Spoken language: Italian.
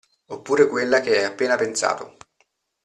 Oppure quella che hai appena pensato.